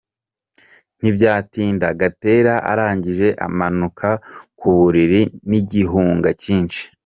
Ntibyatinda, Gatera arangije amanuka ku buriri n’igihunga cyinshi.